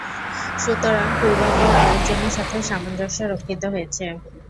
সুতরাং পূর্বাপর আলোচনার সাথে সামঞ্জস্য রক্ষিত হয়েছে।